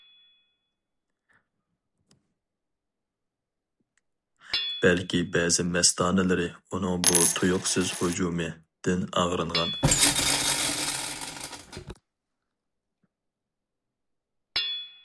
بەلكى بەزى مەستانىلىرى ئۇنىڭ بۇ‹ تۇيۇقسىز ھۇجۇمى› دىن ئاغرىنغان.